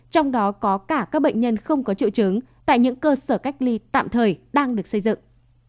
trong đó có cả các bệnh nhân không có triệu chứng tại những cơ sở cách ly tạm thời đang được xây dựng